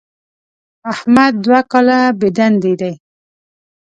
احمد دوه کاله بېدندې دی.